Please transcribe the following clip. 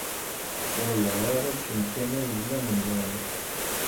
Wellah ar akken kan a Yemma Mennun.